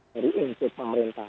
dari input pemerintah